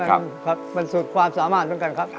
อันนี้มันสูตรความสามารถเหมือนกันครับ